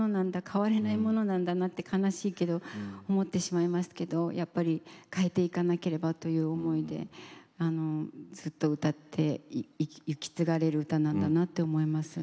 変われないものなんだなって悲しいけど思ってしまいますけどやっぱり変えていかなければという思いでずっと歌って引き継がれる歌なんだなって思います。